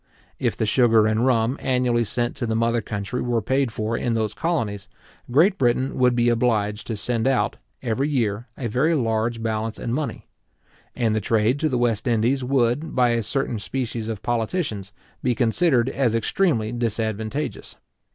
If the sugar and rum annually sent to the mother country were paid for in those colonies, Great Britain would be obliged to send out, every year, a very large balance in money; and the trade to the West Indies would, by a certain species of politicians, be considered as extremely disadvantageous.